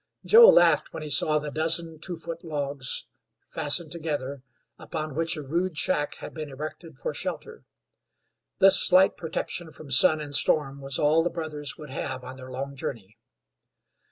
Joe laughed when he saw the dozen two foot logs fastened together, upon which a rude shack had been erected for shelter. This slight protection from sun and storm was all the brothers would have on their long journey.